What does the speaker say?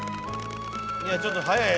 いやちょっと早い。